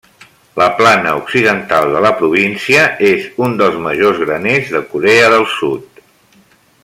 La plana occidental de la província és un dels majors graners de Corea del Sud.